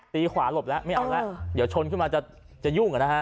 ตีขวาหลบแล้วไม่เอาแล้วเดี๋ยวชนขึ้นมาจะยุ่ง